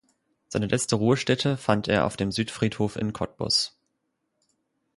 Seine letzte Ruhestätte fand er auf dem Südfriedhof in Cottbus.